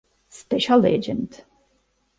Special Agent